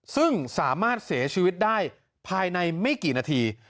ซึ่งสามารถเสียชีวิตได้ภายในไม่กี่นาที